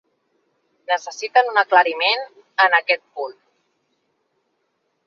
Necessiten un aclariment en aquest punt.